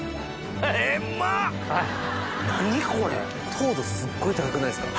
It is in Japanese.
糖度すっごい高くないですか？